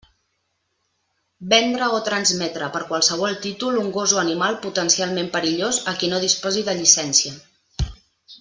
Vendre o transmetre per qualsevol títol un gos o animal potencialment perillós a qui no disposi de llicència.